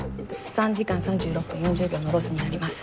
３時間３６分４０秒のロスになります。